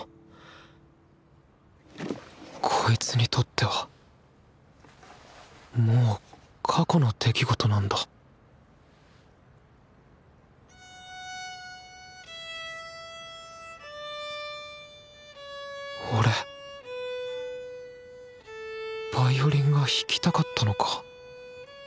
こいつにとってはもう「過去の出来事」なんだ俺ヴァイオリンが弾きたかったのか？